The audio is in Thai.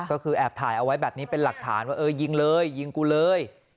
ก็คือแอบถ่ายเอาไว้แบบนี้เป็นหลักฐานว่าเออยิงเลยยิงกูเลย